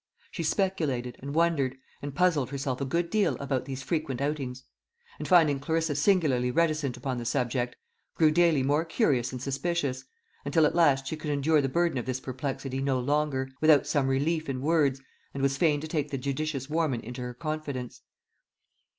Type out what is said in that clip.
She speculated, and wondered, and puzzled herself a good deal about these frequent outings; and finding Clarissa singularly reticent upon the subject, grew daily more curious and suspicious; until at last she could endure the burden of this perplexity no longer, without some relief in words, and was fain to take the judicious Warman into her confidence.